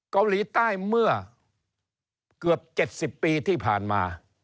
เกาหลีใต้เมื่อเกือบ๗๐ปีที่ผ่านมา